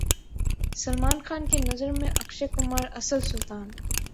سلمان خان کی نظر میں اکشے کمار اصل سلطان